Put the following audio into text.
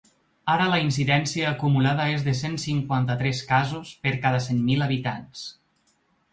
Ara la incidència acumulada és de cent cinquanta-tres casos per cada cent mil habitants.